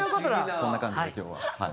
こんな感じで今日ははい。